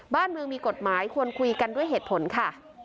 บ้านเมืองมีกฎหมายควรคุยกันด้วยเหตุผลค่ะ